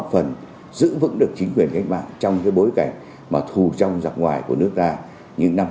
và giữ vững được chính quyền cách bản trong cái bối cảnh mà thù trong dọc ngoài của nước ta những năm một nghìn chín trăm bốn mươi sáu